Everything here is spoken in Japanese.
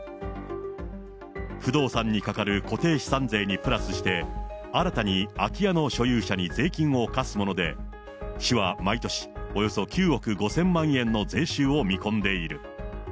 不動産にかかる固定資産税にプラスして、新たに空き家の所有者に税金を課すもので、市は毎年、およそ９億５０００万円の税収を見込んでいる。